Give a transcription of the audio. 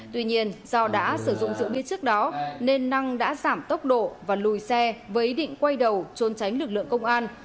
tuy nhiên do đã sử dụng rượu bia trước đó nên năng đã giảm tốc độ và lùi xe với ý định quay đầu trôn tránh lực lượng công an